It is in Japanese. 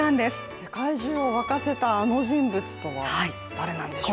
世界中を沸かせたあの人物とは誰なんでしょうか。